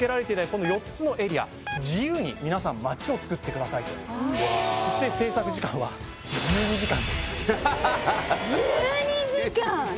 この４つのエリア自由に皆さん街をつくってくださいとああそして制作時間は１２時間！？